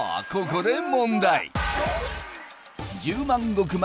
ここで問題うわ